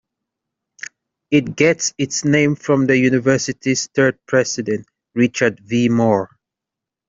It gets its name from the university's third president, Richard V. Moore.